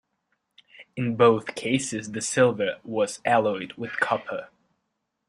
In both cases the silver was alloyed with copper.